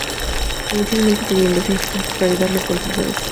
Inicialmente, tenían dos asistentes para ayudarles con sus negocios.